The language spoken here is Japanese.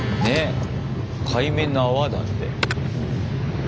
海面の泡だって。